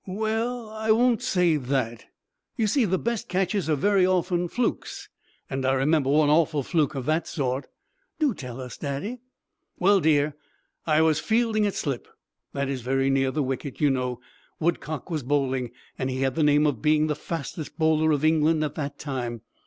"Well, I won't say that. You see, the best catches are very often flukes, and I remember one awful fluke of that sort." "Do tell us, Daddy?" "Well, dear, I was fielding at slip. That is very near the wicket, you know. Woodcock was bowling, and he had the name of being the fastest bowler of England at that time.